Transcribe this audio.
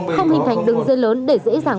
không hình thành đường dây lớn để dễ dàng